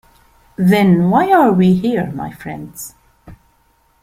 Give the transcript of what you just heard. Then why are we here, my friends?